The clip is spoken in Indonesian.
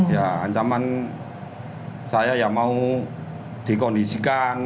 ya ancaman saya ya mau dikondisikan